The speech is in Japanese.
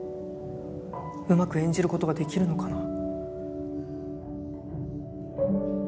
うまく演じることができるのかな